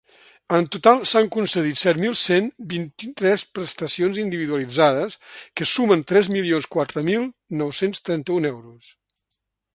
En total, s’han concedit set mil cent vint-i-tres prestacions individualitzades que sumen tres milions quatre mil nou-cents trenta-un euros.